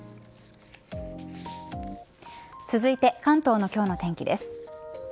続いて関東の今日の天気です。